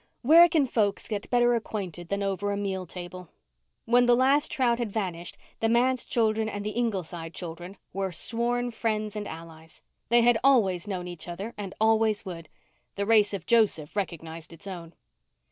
Where can folks get better acquainted than over a meal table? When the last trout had vanished, the manse children and the Ingleside children were sworn friends and allies. They had always known each other and always would. The race of Joseph recognized its own.